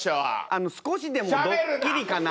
あの少しでもドッキリかな？